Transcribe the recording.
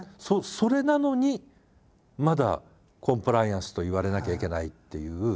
それなのにまだコンプライアンスといわれなきゃいけないっていう。